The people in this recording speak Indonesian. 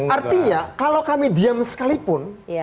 artinya kalau kami diam sekalipun